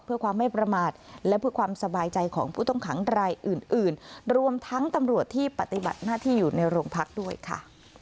เพื่อความไม่ประมาทและเพื่อความสบายใจของผู้ต้องขังรายอื่นอื่นรวมทั้งตำรวจที่ปฏิบัติหน้าที่อยู่ในโรงพักด้วยค่ะ